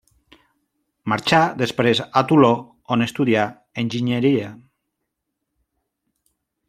Marxà després a Toló on estudià enginyeria.